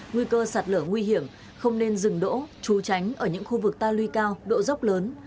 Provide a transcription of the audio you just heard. nguy cơ sạt lửa nguy hiểm không nên dừng đỗ trú tránh ở những khu vực ta lui cao độ dốc lớn